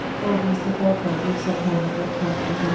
Old Mr. Cartwright lived sometime at Leckhampton, Gloc.